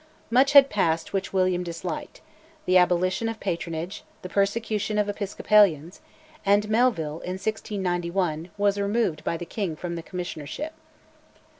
Much had passed which William disliked the abolition of patronage, the persecution of Episcopalians and Melville, in 1691, was removed by the king from the Commissionership.